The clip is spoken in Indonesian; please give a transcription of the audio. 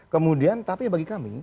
kemudian tapi bagi kami